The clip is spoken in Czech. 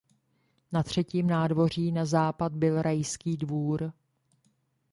Na třetím nádvoří na západ byl Rajský dvůr.